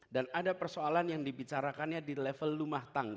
dan ada persoalan yang dibicarakannya di level rumah tangga